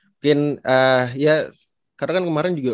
on kelas ya poin con dalam arti kita